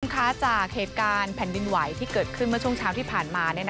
คุณผู้ชมคะจากเหตุการณ์แผ่นดินไหวที่เกิดขึ้นเมื่อช่วงเช้าที่ผ่านมา